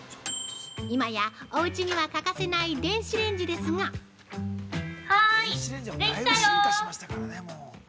今やおうちには欠かせない電子レンジですが◆はーいできたよ！